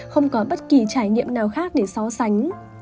không có bất kỳ trải nghiệm nào khác để so sánh